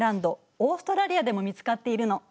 オーストラリアでも見つかっているの。